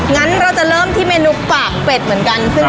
งั้นเราจะเริ่มที่เมนูปากเป็ดเหมือนกันอ่าเมนูดัง